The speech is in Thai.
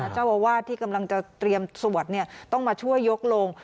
เจ้าอาวาสที่กำลังจะเตรียมสวดต้องมาช่วยยกโลง